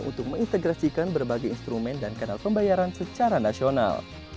untuk mengintegrasikan berbagai instrumen dan kanal pembayaran secara nasional